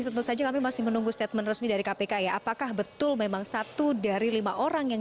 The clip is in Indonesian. tentu saja kami masih menunggu statement resmi dari kpk ya apakah betul memang satu dari lima orang yang